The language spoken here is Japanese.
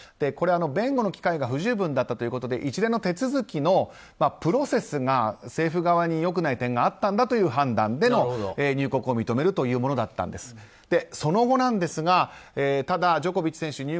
これ、弁護の機会が不十分だったということで一連の手続きのプロセスが政府側によくない点があったんだという判断があったことでの入国を認めることだったんですがその後、ただジョコビッチ選手